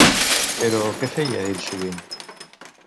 Però què feia ell sovint?